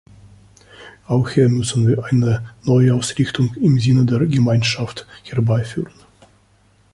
Auch hier müssen wir eine Neuausrichtung im Sinne der Gemeinschaft herbeiführen.